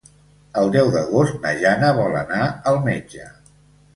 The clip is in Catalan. El deu d'agost na Jana vol anar al metge.